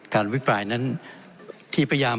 ท่านประธานที่ขอรับครับ